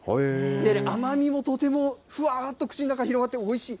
甘みもとても、ふわーっと口の中に広がって、おいしい。